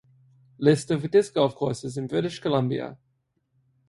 List of disc golf courses in British Columbia